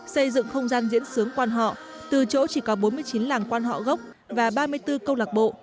xây dựng không gian diễn sướng quan họ từ chỗ chỉ có bốn mươi chín làng quan họ gốc và ba mươi bốn câu lạc bộ